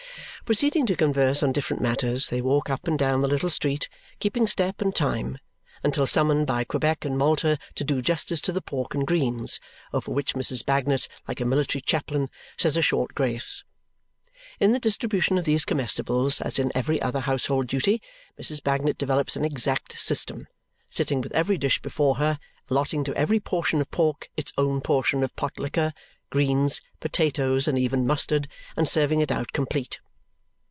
Proceeding to converse on indifferent matters, they walk up and down the little street, keeping step and time, until summoned by Quebec and Malta to do justice to the pork and greens, over which Mrs. Bagnet, like a military chaplain, says a short grace. In the distribution of these comestibles, as in every other household duty, Mrs. Bagnet developes an exact system, sitting with every dish before her, allotting to every portion of pork its own portion of pot liquor, greens, potatoes, and even mustard, and serving it out complete.